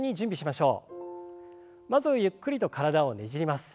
まずはゆっくりと体をねじります。